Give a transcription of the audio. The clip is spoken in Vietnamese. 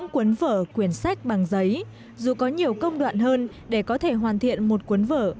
quấn vở quyển sách bằng giấy dù có nhiều công đoạn hơn để có thể hoàn thiện một cuốn vở